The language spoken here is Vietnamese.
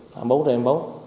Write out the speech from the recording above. phản bố trên phân bố